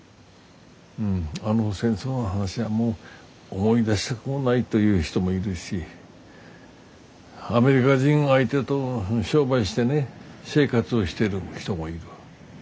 うんあの戦争の話はもう思い出したくもないという人もいるしアメリカ人相手と商売してね生活をしてる人もいる。